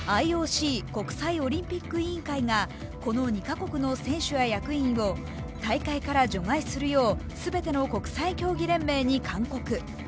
ＩＯＣ＝国際オリンピック委員会がこの２カ国の選手や役員を大会から除外するよう全ての国際競技連盟に勧告。